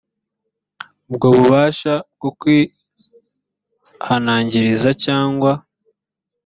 ubwo bubasha bwo kwihanangiriza cyangwa